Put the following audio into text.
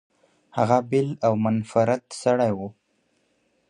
هغه بېل او منفرد سړی و.